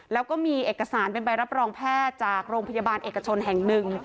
แล้วก็มีเอกสารเป็นใบรับรองแพทย์จากโรงพยาบาลเอกชนแห่งหนึ่ง